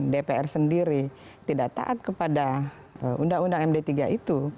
dpr sendiri tidak taat kepada undang undang md tiga itu